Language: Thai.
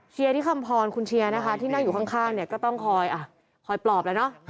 เชียร์ที่คำพรคุณเชียร์ที่นั่งอยู่ข้างก็ต้องคอยปลอบแล้ว